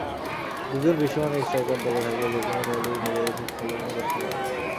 দুজন বিশ্বমানের স্ট্রাইকার দলে থাকলে যেকোনো দলই নিজেদের শক্তিশালী মনে করতে পারে।